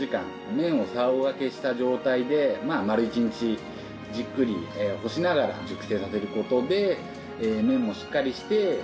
麺を竿がけした状態で丸一日じっくり干しながら熟成させる事で麺もしっかりして満さく